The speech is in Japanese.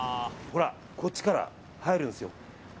ほら、こっちから入るんですよ。